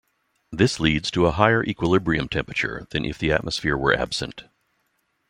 This leads to a higher equilibrium temperature than if the atmosphere were absent.